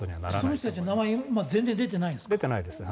その人たちは名前全然出てないんですか。